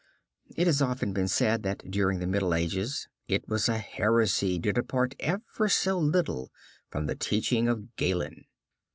It has often been said that during the Middle Ages it was a heresy to depart, ever so little, from the teaching of Galen.